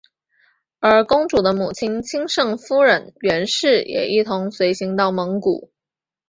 而公主的母亲钦圣夫人袁氏也一同随行到蒙古。